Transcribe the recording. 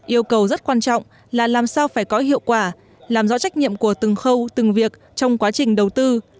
yêu cầu rất quan trọng là làm sao phải có hiệu quả làm rõ trách nhiệm của từng khâu từng việc trong quá trình đầu tư